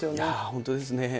本当ですね。